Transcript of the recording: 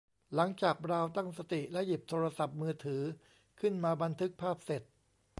หลังจากบราวน์ตั้งสติและหยิบโทรศัพท์มือถือขึ้นมาบันทึกภาพเสร็จ